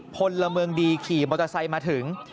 พลเมืองดีขี่มอเตอร์ไซค์มาถึง